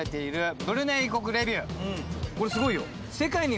これすごいよ。